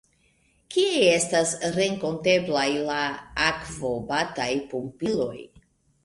Kie estas renkonteblaj la akvobataj pumpiloj?